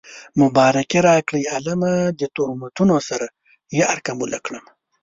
مبارکي راکړئ عالمه د تهمتونو سره يار قبوله کړمه